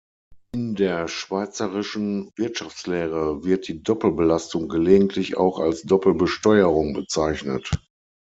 In der schweizerischen Wirtschaftslehre wird die Doppelbelastung gelegentlich auch als Doppelbesteuerung bezeichnet.